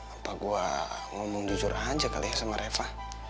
apa gue ngomong jujur aja kali ya sama reva